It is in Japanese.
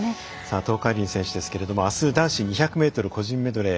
東海林選手ですがあす男子２００ｍ個人メドレー。